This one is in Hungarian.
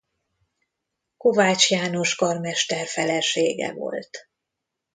Kovács János karmester felesége volt.